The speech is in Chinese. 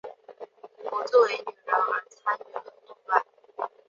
我作为女人而参与了动乱。